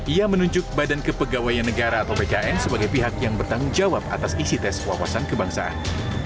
ia menunjuk badan kepegawaian negara atau bkn sebagai pihak yang bertanggung jawab atas isi tes wawasan kebangsaan